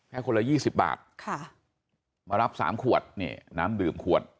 คนละยี่สิบบาทค่ะมารับสามขวดนี่น้ำดื่มขวด